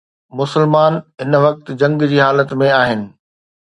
مسلمان هن وقت جنگ جي حالت ۾ آهن.